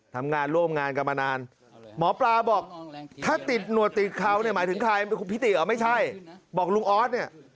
ทำงานร่วมงานกันมานานหมอปลาบอกถ้าติดหนวดติดเขาเนี่ยหมายถึงใครพิติเหรอไม่ใช่บอกลุงออสเนี่ย